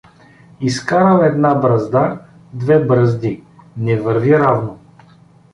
Изкарал една бразда, две бразди — не върви равно.